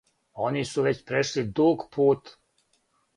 Они су већ прешли дуг пут.